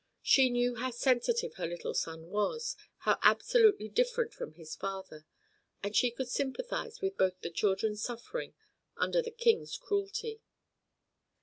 She knew how sensitive her little son was, how absolutely different from his father, and she could sympathize with both the children's suffering under the King's cruelty.